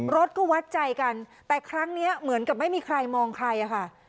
รถก็วัดใจกันแต่ครั้งนี้เหมือนกับไม่มีใครมองใครอะค่ะ